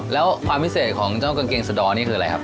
แล้วความพิเศษของเจ้ากางเกงสดอร์นี่คืออะไรครับ